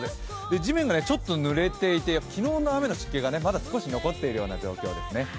地面がちょっとぬれていて昨日の雨の湿気がまだ残っているような状況です。